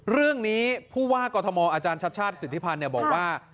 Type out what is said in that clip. เรื่องนี้ผู้ว่ากรทมอาจารย์ชัดชาติสิทธิพันธ์บอกว่า